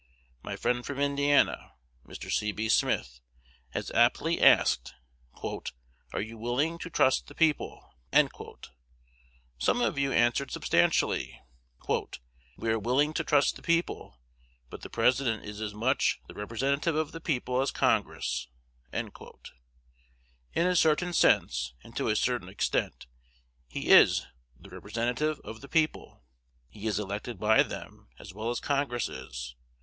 My friend from Indiana (Mr. C. B. Smith) has aptly asked, "Are you willing to trust the people?" Some of you answered substantially, "We are willing to trust the people; but the President is as much the representative of the people as Congress." In a certain sense, and to a certain extent, he is the representative of the people. He is elected by them as well as Congress is.